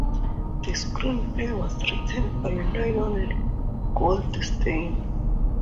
The screenplay was written by Lionel Goldstein.